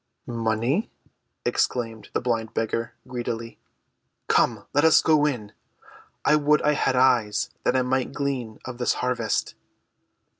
"Money?" exclaimed the blind beggar greedily. "Come, let us go in, I would I had eyes that I might glean of this harvest."